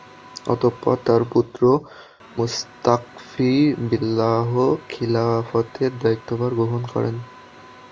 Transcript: অতঃপর তার পুত্র মুসতাকফী বিল্লাহ খিলাফতের দায়িত্বভার গ্রহণ করেন।